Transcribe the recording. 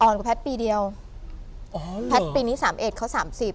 อ่อนกว่าแพทย์ปีเดียวแพทย์ปีนี้๓๑เขา๓๐